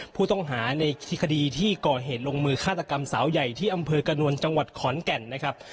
ผู้ต้องหาในคดีที่ก่อเหตุลงมือฆาตกรรมสาวใหญ่ที่อำเภอกระนวลจังหวัดขอนแก่นนะครับ